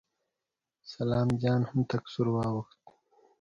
سلام جان هم تک سور واوښت.